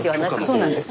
そうなんです。